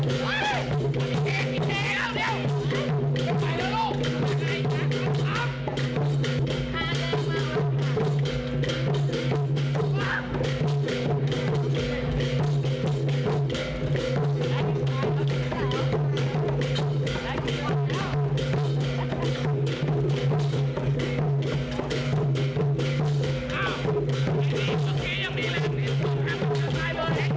อ้าวอันนี้สุขียังมีแรงนิดสองครับ